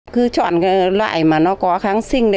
cứ chọn loại mà nó có kháng sinh